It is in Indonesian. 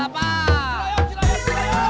terima kasih komandan